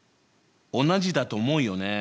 同じだと思うよね。